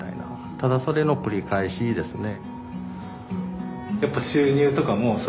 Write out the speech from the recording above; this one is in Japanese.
ただそれの繰り返しですね。